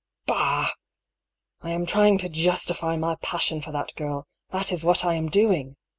" Bah ! I am trjring to justify my passion for that girl — that is what I am doing